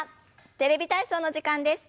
テレビ体操の時間です。